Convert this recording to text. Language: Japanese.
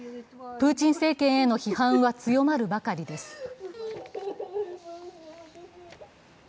プーチン政権への批判は強まるばかりです。